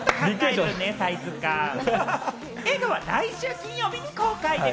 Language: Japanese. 映画は来週金曜日に公開です。